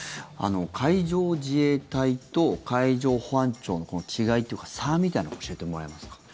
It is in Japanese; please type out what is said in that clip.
海上自衛隊と海上保安庁の違いというか差みたいなのを教えてもらえますか？